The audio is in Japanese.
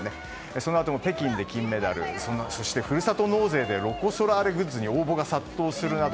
そのあと北京で金メダルそしてふるさと納税でロコ・ソラーレグッズに応募が殺到するなど